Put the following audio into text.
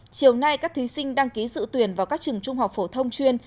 chiều nay các thí sinh đăng ký dự tuyển vào các trường trung học phổ thông chuyên